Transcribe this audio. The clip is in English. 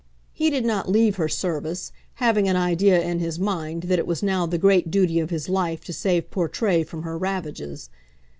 He did not leave her service, having an idea in his mind that it was now the great duty of his life to save Portray from her ravages.